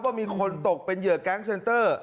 ว่ามีคนตกเป็นเหยื่อแก๊งเซ็นเตอร์